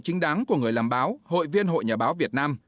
chính đáng của người làm báo hội viên hội nhà báo việt nam